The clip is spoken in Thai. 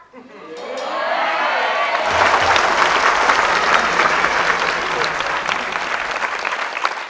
เฮ้ย